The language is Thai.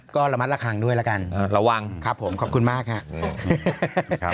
ก็ระมัดระวังด้วยละกันระวังครับผมขอบคุณมากครับ